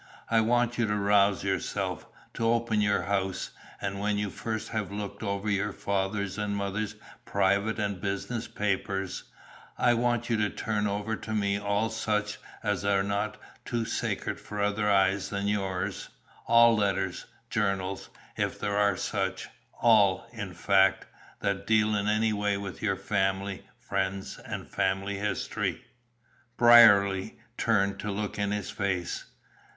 I want you to rouse yourself, to open your house, and when you first have looked over your father's and mother's private and business papers, I want you to turn over to me all such as are not too sacred for other eyes than yours; all letters, journals if there are such all, in fact, that deal in any way with your family, friends, and family history." Brierly turned to look in his face.